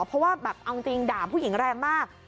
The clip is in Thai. เพราะว่าแบบเอาจริงด่าผู้หญิงแรงมาก